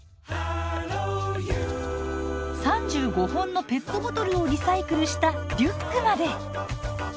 ３５本のペットボトルをリサイクルしたリュックまで。